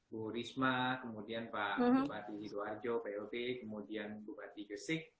bu risma kemudian pak bupati hidwarjo pop kemudian bupati gesik